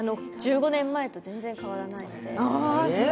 １５年前と全然変わらないので。